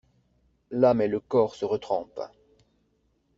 L'âme et le corps se retrempent.